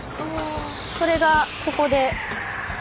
それがここで。